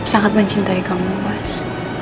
sangat mencintai kamu mas